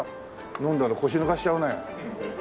飲んだら腰抜かしちゃうね。